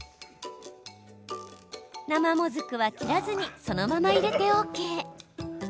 生もずくは切らずにそのまま入れてＯＫ。